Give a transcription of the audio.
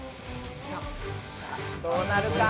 さあどうなるか！